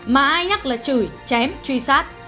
mà ai nhắc là chửi chém truy sát